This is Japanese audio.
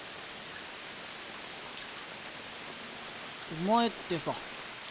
お前ってさ